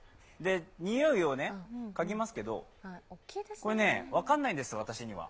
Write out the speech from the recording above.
においをかぎますけど、これ、分かんないです、私には。